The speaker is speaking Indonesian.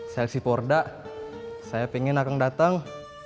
seleksi porda saya ingin akan datang